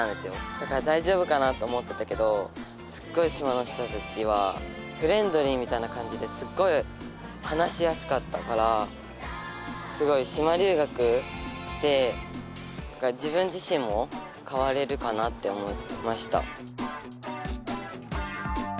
だから「だいじょうぶかな？」と思ってたけどすっごい島の人たちはフレンドリーみたいな感じですっごい話しやすかったからすごい島留学して自分自しんもかわれるかなって思いました。